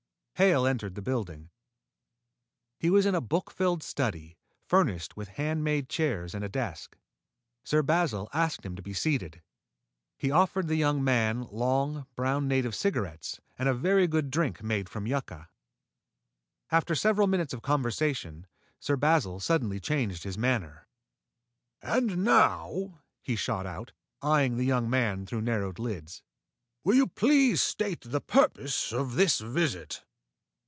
Hale entered the building. He was in a book filled study, furnished with hand made chairs and a desk. Sir Basil asked him to be seated. He offered the young man long, brown native cigarettes and a very good drink made from yucca. After several minutes of conversation, Sir Basil suddenly changed his manner. "And now," he shot out, eyeing the young man through narrowed lids, "will you please state the purpose of this visit?"